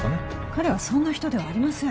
彼はそんな人ではありません